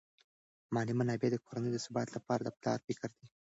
مالی منابع د کورنۍ د ثبات لپاره د پلار فکر دي.